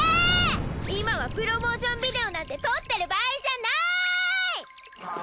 今はプロモーションビデオなんて撮ってる場合じゃない！！